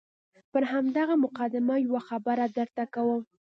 پر همدغه مقدمه یوه خبره درته کوم.